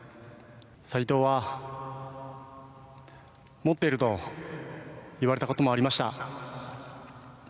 斎藤は持ってると言われたこともありました。